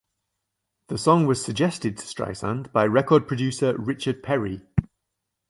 The song was suggested to Streisand by record producer Richard Perry.